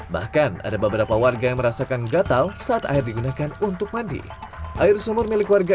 bahkan ada beberapa warga yang merasakan gatal saat air digunakan untuk mandi air sumur milik warga